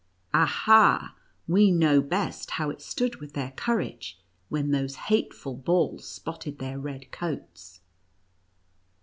Ah, ha ! we know best how it stood with their courage, when those hateful balls spotted their red coats